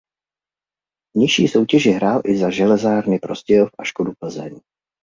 Ve nižší soutěži hrál i za Železárny Prostějov a Škodu Plzeň.